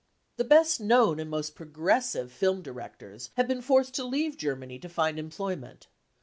The best known and most progressive film directors have been forced to leave Germany to find employment.